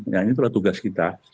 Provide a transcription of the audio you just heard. nah ini adalah tugas kita